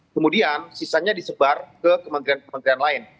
kemudian sisanya disebar ke kementerian kementerian lain